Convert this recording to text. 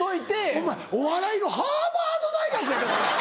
お前お笑いのハーバード大学やでこれ！